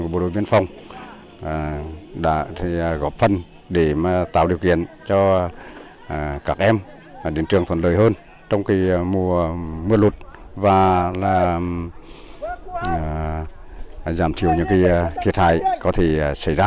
các em đến trường thuận lợi hơn trong mùa mưa lụt và giảm thiểu những thiệt hại có thể xảy ra